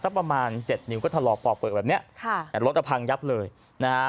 สักประมาณเจดนิวก็ทะลอปอบะแบบเนี้ยรถก็พังยับเลยนะฮะ